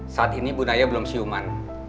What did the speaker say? saat ini bu naya belum siuman